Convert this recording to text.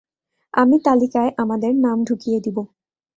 আমি তালিকায় আমাদের নাম ঢুকিয়ে দিব।